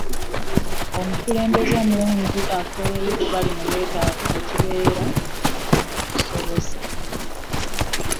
omukulembeze omulungi afaayo kubali mu bwetavu wekibeera kisobose